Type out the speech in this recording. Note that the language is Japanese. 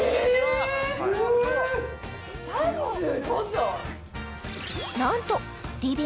３５畳！